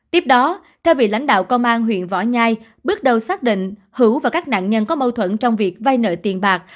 tiếp đó theo vị lãnh đạo công an huyện võ nhai bước đầu xác định hữu và các nạn nhân có mâu thuẫn trong việc vay nợ tiền bạc